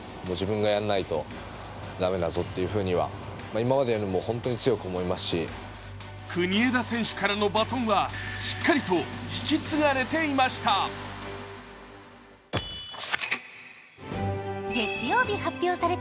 それでも国枝選手からのバトンはしっかりと引き継がれていました。